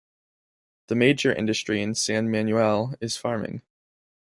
The major industry in San Manuel is farming.